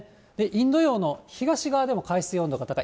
インド洋の東側でも海水温度が高い。